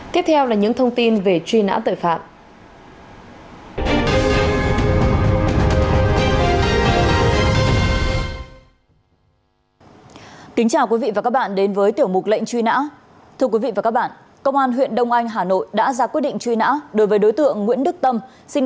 tiếp theo là những thông tin về truy nã tội phạm